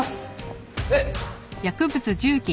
えっ？